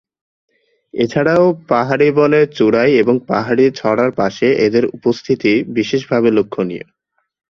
এছাড়াও পাহাড়ি বনের চূড়ায় এবং পাহাড়ি ছড়ার পাশে এদের উপস্থিতি বিশেষভাবে লক্ষনীয়।